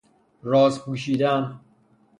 راز پوشیدن